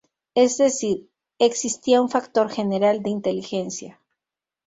Es decir, existía un factor general de inteligencia.